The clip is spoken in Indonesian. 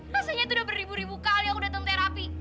rasanya tuh udah beribu ribu kali aku datang terapi